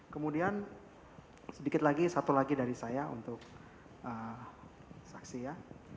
kemudian sedikit lagi satu lagi dari saya untuk saksi ya